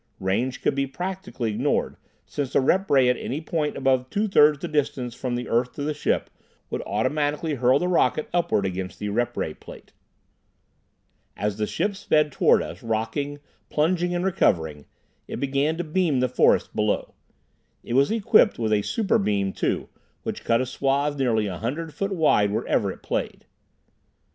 Range could be practically ignored, since the rep ray at any point above two thirds the distance from the earth to the ship would automatically hurl the rocket upward against the rep ray plate. As the ship sped toward us, rocking, plunging and recovering, it began to beam the forest below. It was equipped with a superbeam too, which cut a swathe nearly a hundred feet wide wherever it played.